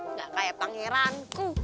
nggak kayak pangeranku